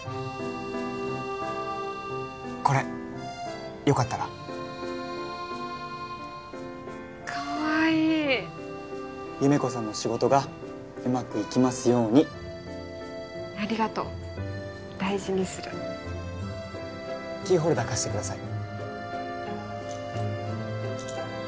これよかったらかわいい優芽子さんの仕事がうまくいきますようにありがとう大事にするキーホルダー貸してください